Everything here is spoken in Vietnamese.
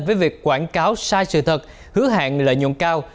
với việc quảng cáo sai sự thật hứa hẹn lợi nhuận cao